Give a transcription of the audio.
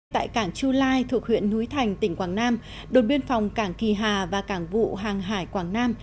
tại cảng chu lai thuộc huyện núi thành tỉnh quảng nam đồn biên phòng cảng kỳ hà và cảng vụ hàng hải quảng nam